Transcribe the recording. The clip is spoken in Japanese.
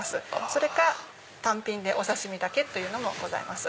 それか単品でお刺身だけというのもございます。